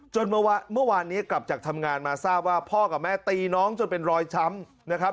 เมื่อวานนี้กลับจากทำงานมาทราบว่าพ่อกับแม่ตีน้องจนเป็นรอยช้ำนะครับ